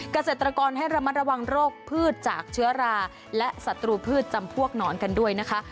เกษตรกรให้ระมัดระวังโรคพืชจากเชื้อราและศัตรูพืชจำพวกหนอนกันด้วยนะคะ